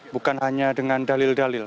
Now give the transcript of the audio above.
bukan hanya dengan dalil dalil